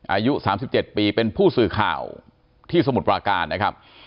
อายุ๓๗ปีเป็นผู้สื่อข่าวที่สมุทรปราการนะครับ